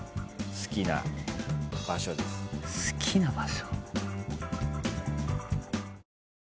好きな場所。